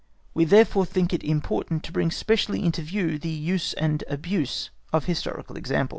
We therefore think it important to bring specially into view the use and abuse of historical examples.